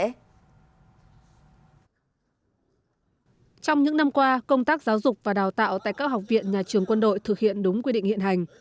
trong những năm qua công tác giáo dục và đào tạo tại các học viện nhà trường quân đội thực hiện đúng quy định hiện hành